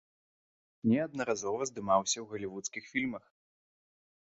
Неаднаразова здымаўся ў галівудскіх фільмах.